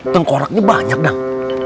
tengkoraknya banyak dong